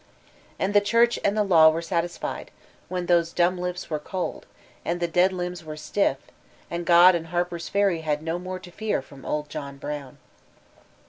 And the Church and the Law were satisfied, when those dumb lips were cold, and the dead limbs were stiff, and God and Harper's Ferry had no more to fear from old John Brown.